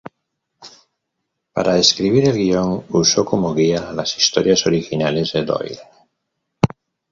Para escribir el guion, usó como guía las historias originales de Doyle.